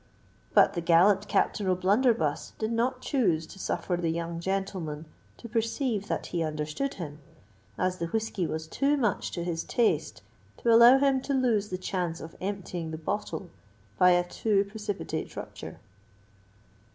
But the gallant Captain O'Blunderbuss did not choose to suffer the young gentleman to perceive that he understood him, as the whiskey was too much to his taste to allow him to lose the chance of emptying the bottle by a too precipitate rupture.